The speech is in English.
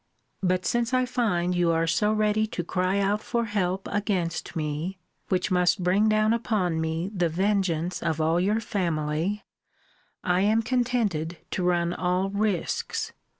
But since I find you are so ready to cry out for help against me, which must bring down upon me the vengeance of all your family, I am contented to run all risques.